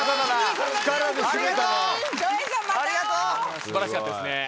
素晴らしかったですね。